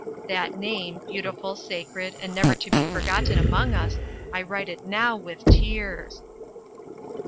That name beautiful, sacred, and never to be forgotten among us I write it now with tears.